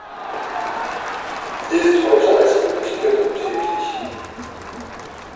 Sie ist heute als Politikerin tätig.